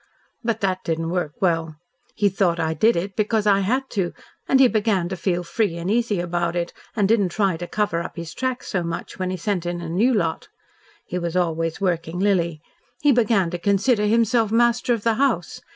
But that didn't work well. He thought I did it because I had to, and he began to feel free and easy about it, and didn't try to cover up his tracks so much when he sent in a new lot. He was always working Lily. He began to consider himself master of the house.